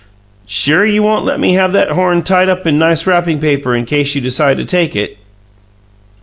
"Sure you won't let me have that horn tied up in nice wrapping paper in case you decide to take it?"